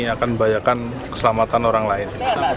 akan membayarkan keselamatan orang lain